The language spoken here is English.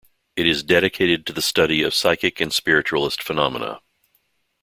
It is dedicated to the study of psychic and spiritualist phenomena.